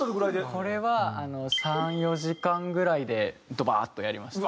これはあの３４時間ぐらいでドバーッとやりました。